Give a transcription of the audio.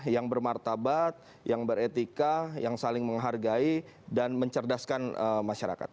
yang bermartabat yang beretika yang saling menghargai dan mencerdaskan masyarakat